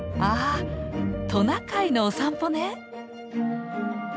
トナカイのお散歩ね！